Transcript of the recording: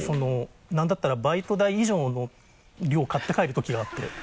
何だったらバイト代以上の量を買って帰るときがあって。